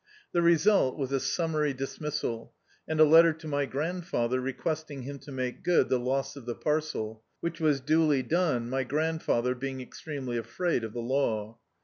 The result was a summary dismissal, and a letter to my grandfather requesting him to make good the loss of the parcel; which was duty done, my grandfather being extremely afraid of the law.